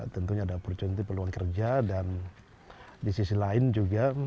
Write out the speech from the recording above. tentunya ada opportunity peluang kerja dan di sisi lain juga